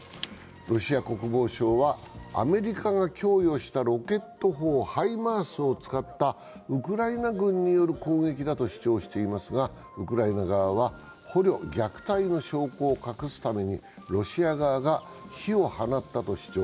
ロシア国防省はアメリカが供与したロケット砲、ハイマースを使ったウクライナ軍による攻撃だと主張していますがウクライナ側は捕虜虐待の証拠を隠すためにロシア側が火を放ったと主張。